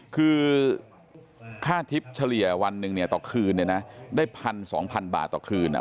คือค่าทิศเฉลี่ยวันหนึ่งเนี้ยต่อคืนเนี้ยนะได้พันสองพันบาทต่อคืนอ่ะ